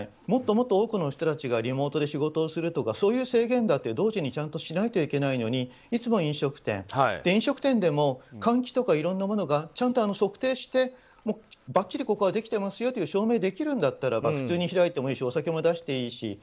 もっともっと多くの人たちがリモートで仕事をするなど制限を同時にしなくちゃいけないのに飲食店でも換気とかいろんなものがちゃんと測定してばっちりここはできてますよと証明できるんだったらば普通に開いてお酒も出していいし。